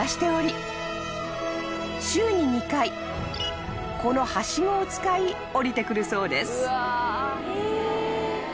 ［週に２回このはしごを使い下りてくるそうです］